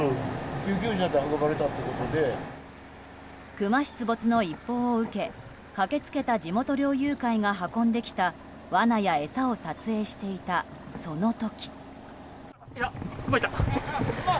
クマ出没の一報を受け駆け付けた地元猟友会が運んできた罠や餌を撮影していたその時。